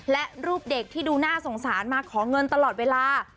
และรูปเด็กที่ดูน่าสงสารมาขอเงินตลอดเวลา